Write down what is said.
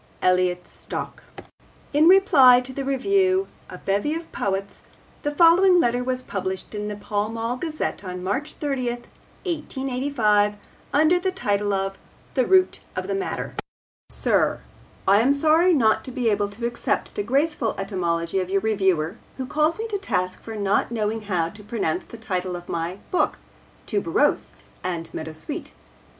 (Elliot Stock.) In reply to the review A Bevy of Poets the following letter was published in the Pall Mall Gazette on March 30, 1885, under the title of THE ROOT OF THE MATTER SIR, I am sorry not to be able to accept the graceful etymology of your reviewer who calls me to task for not knowing how to pronounce the title of my book Tuberose and Meadowsweet.